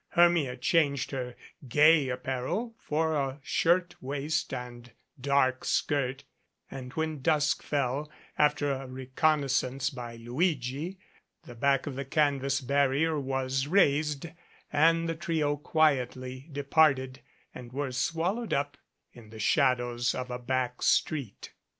Her mia changed her gay apparel for a shirtwaist and dark skirt, and when dusk fell, after a reconnaissance by Luigi, the back of the canvas barrier was raised and the trio quietly departed and were swallowed up in the shadows of a back street.